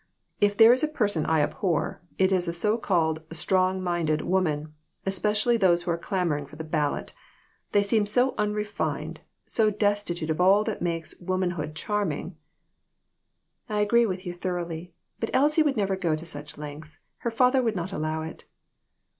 If there is a person I abhor, it is a so called strong minded woman, especially those who are clamoring for the ballot. They seem so unrefined, so destitute of all that makes woman hood charming." " I agree with you thoroughly ; but Elsie would never go to such lengths ; her father would not allow it."